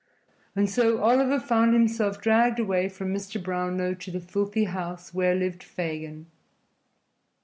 And so Oliver found himself dragged away from Mr. Brownlow to the filthy house where lived Fagin.